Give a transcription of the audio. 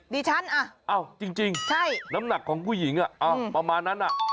ดิฉันจริงน้ำหนักของผู้หญิงประมาณนั้น